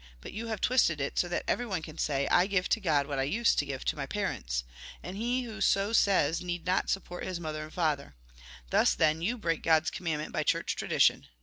But you have twisted it so that everyone can say :' I give to God what I used to give my parents.' And he who so says need not support his father and mother. Thus, then, you break God's commandment by church tradition.